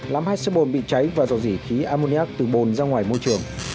lắm hai xe bồn bị cháy và dọ dỉ khí ammoniac từ bồn ra ngoài môi trường